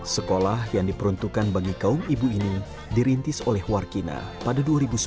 sekolah yang diperuntukkan bagi kaum ibu ini dirintis oleh warkina pada dua ribu sebelas